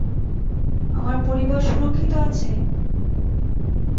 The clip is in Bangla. আমার পরিবার সুরক্ষিত আছে?